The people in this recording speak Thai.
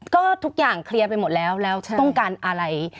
ก็ทุกอย่างเคลียร์ไปหมดแล้วแล้วต้องการอะไร